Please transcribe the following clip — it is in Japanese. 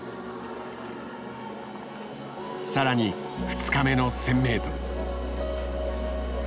更に２日目の１０００ｍ。